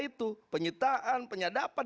itu penyitaan penyadapan